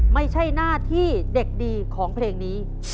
ไม่ใช่หน้าที่เด็กดีของเพลงนี้